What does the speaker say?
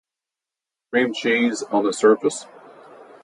You should probably just slather the cream cheese on the surface.